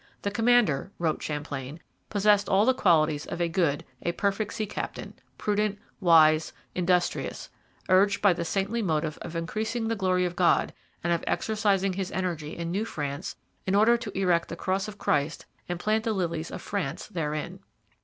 'The commander,' wrote Champlain, 'possessed all the qualities of a good, a perfect sea captain; prudent, wise, industrious; urged by the saintly motive of increasing the glory of God and of exercising his energy in New France in order to erect the cross of Christ and plant the lilies of France therein.'